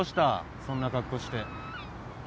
そんな格好して。